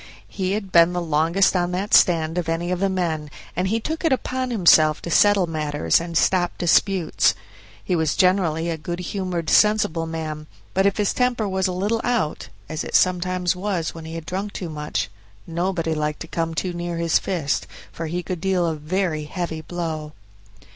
He had been the longest on that stand of any of the men, and he took it upon himself to settle matters and stop disputes. He was generally a good humored, sensible man; but if his temper was a little out, as it was sometimes when he had drunk too much, nobody liked to come too near his fist, for he could deal a very heavy blow.